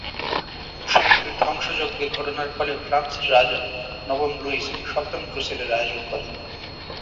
শহরটির ধ্বংসযজ্ঞের ঘটনার ফলে ফ্রান্সের রাজা নবম লুইস সপ্তম ক্রুসেডের আয়োজন করেন।